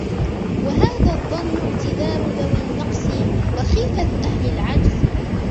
وَهَذَا الظَّنُّ اعْتِذَارُ ذَوِي النَّقْصِ وَخِيفَةُ أَهْلِ الْعَجْزِ